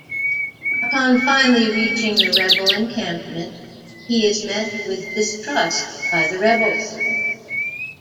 Upon finally reaching the rebel encampment he is met with distrust by the rebels.